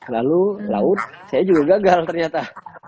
lalu laut saya juga gagal ternyata